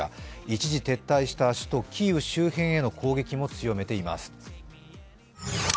一時撤退した首都キーウ周辺への攻撃も強めています。